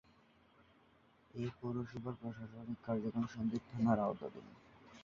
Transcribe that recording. এ পৌরসভার প্রশাসনিক কার্যক্রম সন্দ্বীপ থানার আওতাধীন।